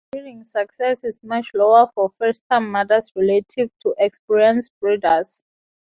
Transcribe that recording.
Breeding success is much lower for first-time mothers relative to experienced breeders.